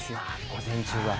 午前中は。